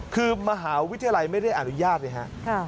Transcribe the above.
คือมหาวิทยาลัยไม่ได้อนุญาตเลยครับ